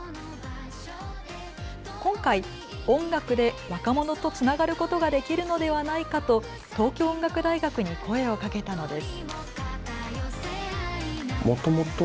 今回、音楽で若者とつながることができるのではないかと東京音楽大学に声をかけたのです。